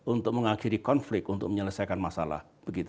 untuk mengakhiri konflik untuk menyelesaikan masalah